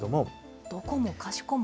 どこもかしこも。